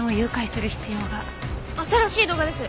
新しい動画です！